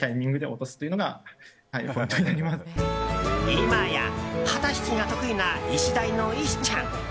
今や旗引きが得意なイシダイのイシちゃん。